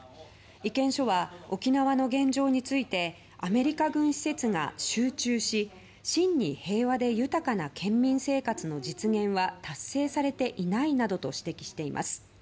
意見書は沖縄の現状についてアメリカ軍施設が集中し真に平和で豊かな県民生活の実現は達成されていないなどと指摘しています。